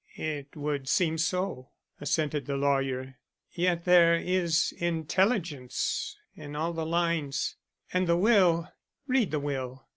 "It would seem so," assented the lawyer. "Yet there is intelligence in all the lines. And the will read the will.